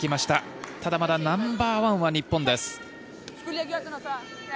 ただ、まだナンバーワンは日本です。